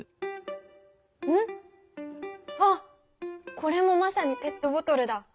これもまさにペットボトルだ！